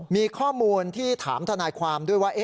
มีข้อมูลที่ถามทนายความด้วยว่า